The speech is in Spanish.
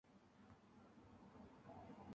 Hay varias versiones de cómo se formó la banda.